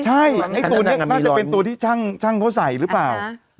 ใช่ไอ้ตัวนี้น่าจะเป็นตัวที่ช่างเขาใส่หรือเปล่า